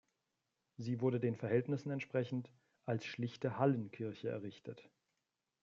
Sie wurde den Verhältnissen entsprechend als schlichte Hallenkirche errichtet.